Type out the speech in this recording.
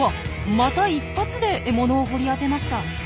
また一発で獲物を掘り当てました。